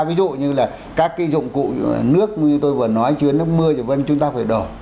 ví dụ như là các cái dụng cụ nước như tôi vừa nói chứa nước mưa thì chúng ta phải đổ